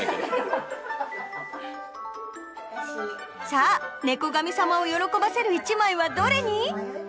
さあ猫神さまを喜ばせる１枚はどれに？